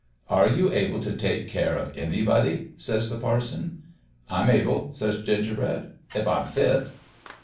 "* Are you able t* take care of anybody ?' says the parson. "' I'm able/ says Gingerbread, ' if I'm fit.'